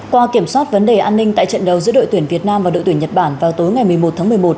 qua kiểm soát vấn đề an ninh tại trận đấu giữa đội tuyển việt nam và đội tuyển nhật bản vào tối ngày một mươi một tháng một mươi một